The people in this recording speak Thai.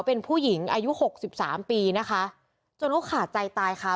เป็นผู้หญิงอายุหกสิบสามปีนะคะจนเขาขาดใจตายค่ะ